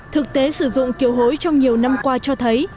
thực tế sử dụng kiều hối trong nhiều năm qua cho thấy